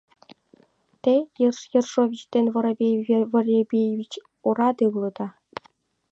Те, Ерш Ершович ден Воробей Воробеич, ораде улыда!